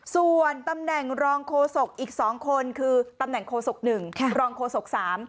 ส่วนตำแหน่งรองโคสกอีกสองคนคือตำแหน่งโคสกหนึ่งรองโคสกสาม